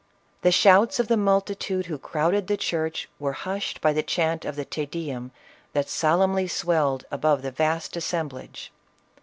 The shouts of the multitude who crowded the church were hushed by the chant of the Te Deum that solemnly swelled above the vast as semblage.